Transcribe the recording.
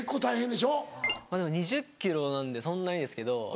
でも２０ｋｇなんでそんなにですけど。